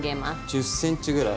１０ｃｍぐらい。